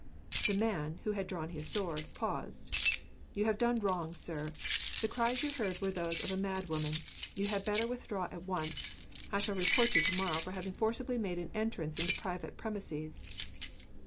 The man, who had drawn his sword, paused. "You have done wrong, sir. The cries you heard were those of a mad woman. You had better withdraw at once. I shall report you, tomorrow, for having forcibly made an entrance into private premises."